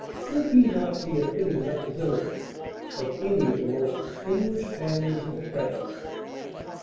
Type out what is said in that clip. Would he not be a fitting representative of any of the most distinguished families in France?"